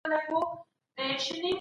که باور نه وي ژوند ګران دی.